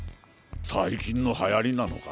最近の流行りなのか？